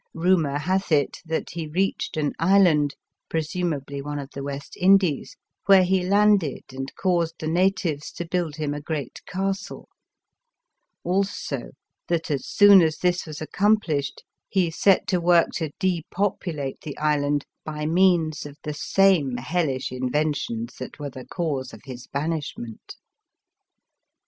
Rumour hath it that he reached an island, presumably one of the West Indies, where he landed and caused the natives to build him a great castle ; also, that as soon as this was accomp lished he set to work to depopulate the island by means of the same hellish inventions that were the cause of his banishment.